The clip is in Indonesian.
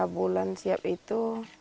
bulan siap itu